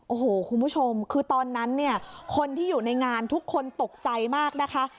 โอ้โหคุณผู้ชมคือตอนนั้นเนี่ยคนที่อยู่ในงานทุกคนตกใจมากนะคะ